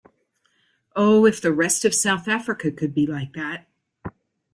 Oh, if the rest of South Africa could be like that.